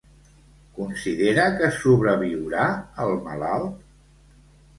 Considera que sobreviurà el malalt?